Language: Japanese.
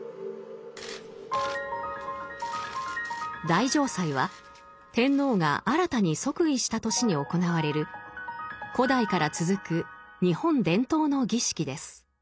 大嘗祭は天皇が新たに即位した年に行われる古代から続く日本伝統の儀式です。